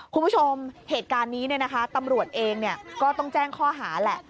คุณผู้ชมเหตุการณ์นี้ตำรวจเองก็ต้องแจ้งข้อหาแหละ